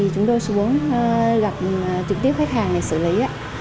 chúng tôi xuống gặp trực tiếp khách hàng để xử lý